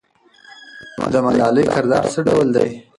د ملالۍ کردار څه ډول دی؟